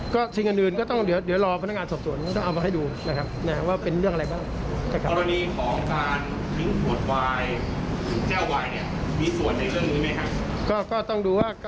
ก็สิ่งอื่นก็เดี๋ยวรอพนักงานสอบสวนเอาให้ดูนะครับว่าเป็นเรื่องอะไรบ้าง